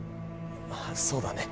ああそうだね。